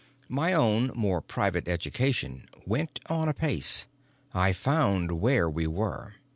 My own, more private education went on apace. I found where we were.